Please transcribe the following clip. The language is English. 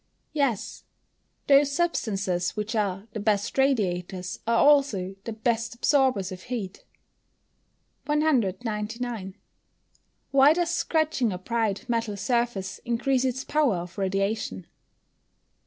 _ Yes; those substances which are the best radiators are also the best absorbers of heat. 199. _Why does scratching a bright metal surface increase its power of radiation?